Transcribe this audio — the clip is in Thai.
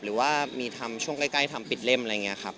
หรือว่ามีทำช่วงใกล้ทำปิดเล่มอะไรอย่างนี้ครับ